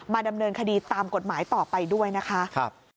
ดำเนินคดีตามกฎหมายต่อไปด้วยนะคะ